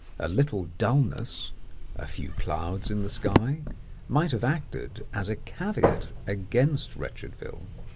A little dulness, a few clouds in the sky, might have acted as a caveat against Wretchedville.